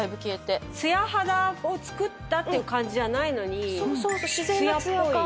ツヤ肌をつくったっていう感じじゃないのにツヤっぽい。